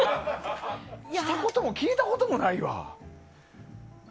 したことも聞いたこともないわ。